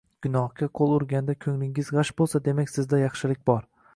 gunohga qo‘l urganda ko‘nglingiz g‘ash bo‘lsa, demak, sizda yaxshilik bor.